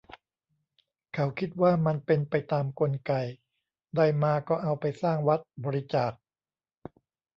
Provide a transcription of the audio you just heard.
เขาคิดว่ามันเป็นไปตามกลไก ได้มาก็เอาไปสร้างวัด บริจาค